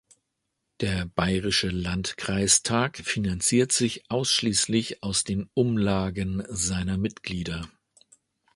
Der Bayerische Landkreistag finanziert sich ausschließlich aus den Umlagen seiner Mitglieder.